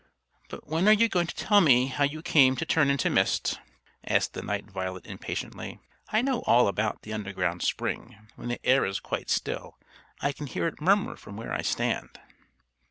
"But when are you going to tell me how you came to turn into mist?" asked the Night Violet impatiently. "I know all about the underground spring. When the air is quite still, I can hear it murmur from where I stand."